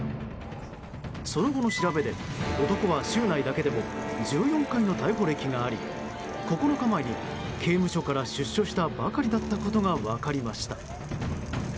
その後の調べで男は州内だけでも１４回の逮捕歴があり９日前に刑務所から出所したばかりだったことが分かりました。